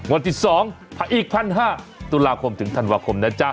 วันที่๒ถ้าอีก๑๕๐๐ตุลาคมถึงธันวาคมนะจ๊ะ